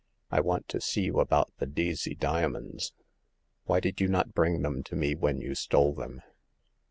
" I want to see you about the Deacey dia monds. Why did you not bring them to me when you stole them